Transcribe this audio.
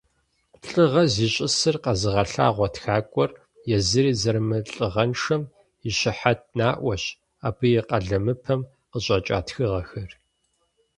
ЛӀыгъэр зищӀысыр къэзыгъэлъагъуэ тхакӀуэр езыри зэрымылӀыгъэншэм и щыхьэт наӀуэщ абы и къалэмыпэм къыщӀэкӀа тхыгъэхэр.